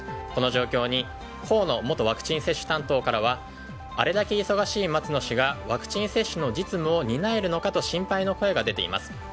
この状況に河野元ワクチン接種担当からはあれだけ忙しい松野氏がワクチン接種の実務を担えるのかと心配の声が出ています。